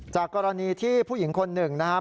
จากกรณีที่ผู้หญิงคนหนึ่งนะครับ